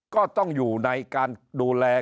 ก็ต้องอยู่ในการดูแล